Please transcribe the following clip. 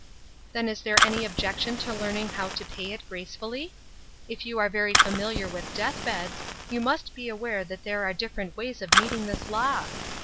"Then is there any objection to learning how to pay it gracefully ? If you are very familiar with death beds, you must be aware that there are different ways of meeting this Law